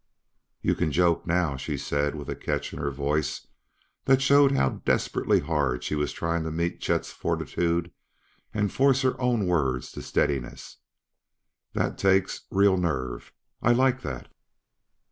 "You can joke now," she said with a catch in her voice that showed how desperately hard she was trying to meet Chet's fortitude and force her own words to steadiness. "That takes real nerve. I like that!"